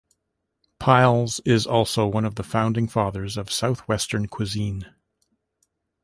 Pyles is also one of the founding fathers of Southwestern cuisine.